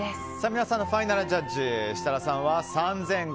皆さんのファイナルジャッジ設楽さんは３５００円。